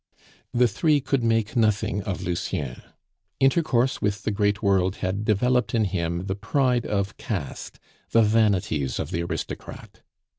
The three could make nothing of Lucien. Intercourse with the great world had developed in him the pride of caste, the vanities of the aristocrat.